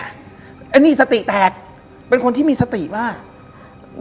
อันนี้สติแตกเป็นคนที่มีสติมาก